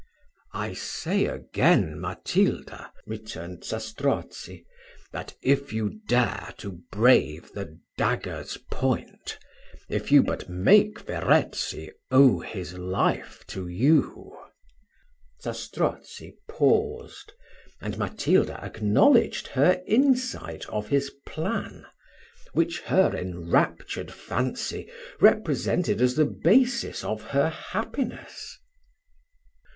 "I say again, Matilda," returned Zastrozzi, "that if you dare to brave the dagger's point if you but make Verezzi owe his life to you " Zastrozzi paused, and Matilda acknowledged her insight of his plan, which her enraptured fancy represented as the basis of her happiness.